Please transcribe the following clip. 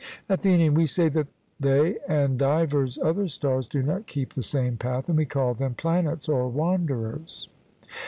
ATHENIAN: We say that they and divers other stars do not keep the same path, and we call them planets or wanderers.